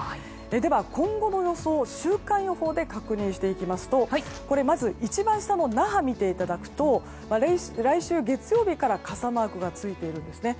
では、今後の予想を週間予報で確認していきますとまず一番下の那覇を見ていただくと来週月曜日から傘マークがついているんですね。